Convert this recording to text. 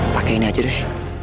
pakai ini aja deh